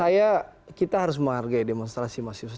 saya kita harus menghargai demonstrasi mahasiswa